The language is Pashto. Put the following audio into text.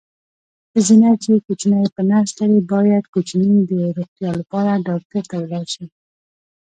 ښځېنه چې کوچینی په نس لري باید کوچیني د روغتیا لپاره ډاکټر ولاړ شي.